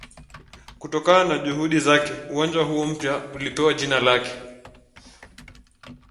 As a tribute to his efforts, the new stadium was named after him.